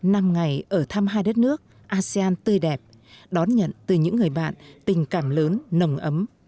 bảy năm ngày ở thăm hai đất nước asean tươi đẹp đón nhận từ những người bạn tình cảm lớn nồng ấm